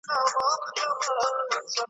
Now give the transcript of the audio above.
نه سېلونه هر آواز ته سی راتللای .